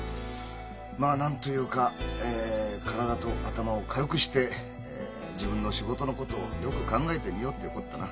まあ何と言うかえ体と頭を軽くして自分の仕事のことをよく考えてみようってこったな。